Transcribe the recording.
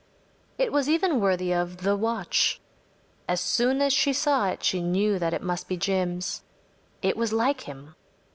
It was even worthy of The Watch. As soon as she saw it she knew that it must be Jim’s. It was like him.